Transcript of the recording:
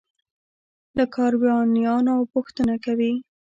له کاروانیانو پوښتنه کوي.